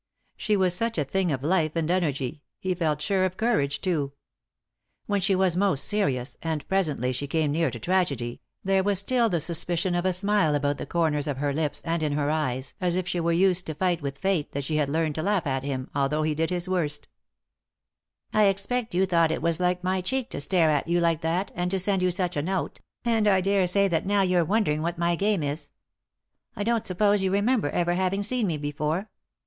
She was such a thing of life and energy; he felt sure, of courage, too. When she was most serious — and presently she came near to tragedy—there was still the suspicion of a smile about the comers of her lips and in her eyes, as if she were so used to fight with fate that 'she had learned to laugh at him, although he did his worst " I expect you thought it was like my cheek to stare at you like that, and to send you such a note ; and I daresay that now you're wondering what my game is. I don't suppose you remember ever having seen me before."